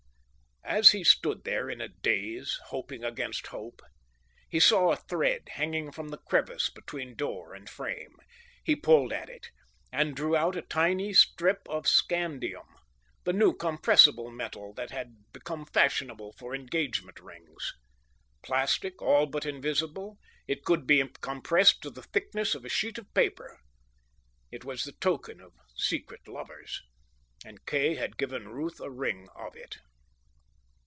As he stood there in a daze, hoping against hope, he saw a thread hanging from the crevice between door and frame. He pulled at it, and drew out a tiny strip of scandium, the new compressible metal that had become fashionable for engagement rings. Plastic, all but invisible, it could be compressed to the thickness of a sheet of paper: it was the token of secret lovers, and Kay had given Ruth a ring of it.